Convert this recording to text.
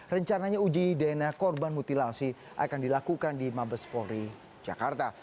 rencananya uji dna korban mutilasi akan dilakukan di mabes polri jakarta